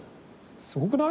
すごくない？